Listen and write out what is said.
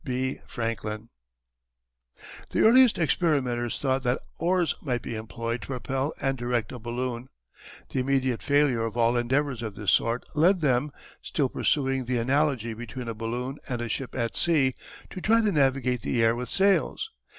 B. FRANKLIN. The earliest experimenters thought that oars might be employed to propel and direct a balloon. The immediate failure of all endeavours of this sort, led them, still pursuing the analogy between a balloon and a ship at sea, to try to navigate the air with sails.